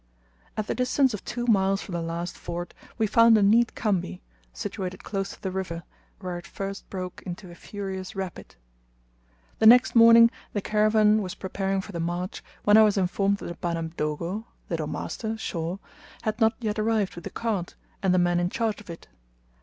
At the distance of two miles from the last ford, we found a neat khambi, situated close to the river, where it first broke into a furious rapid. The next morning the caravan was preparing for the march, when I was informed that the "Bana Mdogo" little master Shaw, had not yet arrived with the cart, and the men in charge of it.